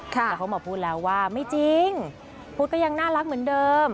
แต่เขามาพูดแล้วว่าไม่จริงพุทธก็ยังน่ารักเหมือนเดิม